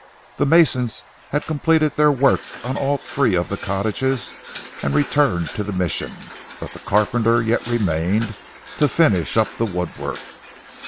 The masons had completed their work on all three of the cottages and returned to the Mission, but the carpenter yet remained to finish up the woodwork.